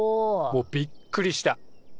もうびっくりした。